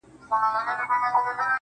زما په څېره كي، ښكلا خوره سي.